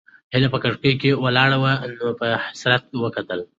هیلې په کړکۍ کې ولاړې ونې ته په حسرت وکتل.